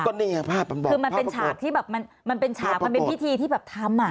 ก็นี่ไงภาพคือมันเป็นฉากที่แบบมันมันเป็นฉากมันเป็นพิธีที่แบบทำอ่ะ